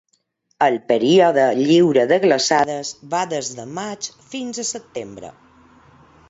El període lliure de glaçades va des de maig fins a setembre.